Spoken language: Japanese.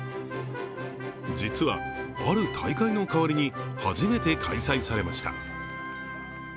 実は、ある大会の代わりに初めて開催されました。